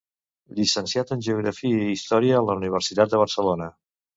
Llicenciat en geografia i història a la Universitat de Barcelona.